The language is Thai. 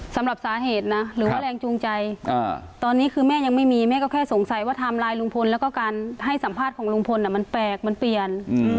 สำหรับสาเหตุนะหรือว่าแรงจูงใจตอนนี้คือแม่ยังไม่มีแม่ก็แค่สงสัยว่าไทม์ไลน์ลุงพลแล้วก็การให้สัมภาษณ์ของลุงพลมันแปลกมันเปลี่ยน